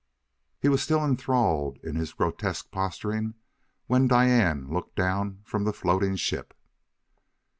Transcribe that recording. He was still enthralled in his grotesque posturing when Diane looked down from the floating ship.